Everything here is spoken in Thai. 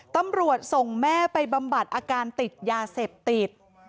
ตำรวจส่งแม่ไปบำบัดอาการติดยาเสพติด